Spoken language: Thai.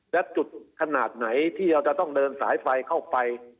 และจุดขนาดไหนที่เราจะต้องเดินสายไฟเข้าไป